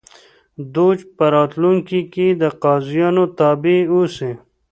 دوج په راتلونکي کې د قاضیانو تابع اوسي